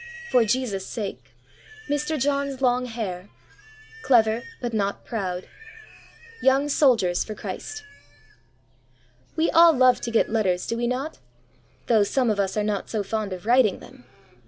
"For Jesus' sake." Mr. John's long hair. Clever, but not proud. Young soldiers for Christ. WE all love to get letters, do we not? though some of us are not so fond of writing them.